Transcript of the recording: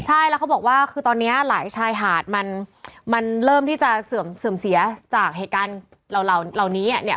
ใช่แล้วเขาบอกว่าคือตอนนี้หลายชายหาดมันเริ่มที่จะเสื่อมเสียจากเหตุการณ์เหล่านี้เนี่ย